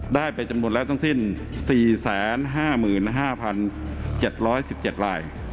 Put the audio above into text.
ได้ไปจำนวนแล้วทั้งสิ้น๔๕๕๗๑๗ราย